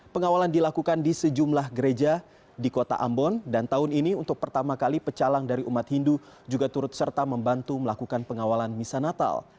pengawalan dilakukan di sejumlah gereja di kota ambon dan tahun ini untuk pertama kali pecalang dari umat hindu juga turut serta membantu melakukan pengawalan misa natal